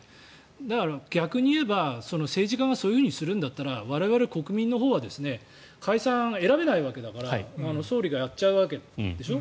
だから、逆に言えば政治家がそうするんだったら我々国民のほうは解散を選べないわけだから総理がやっちゃうわけでしょ。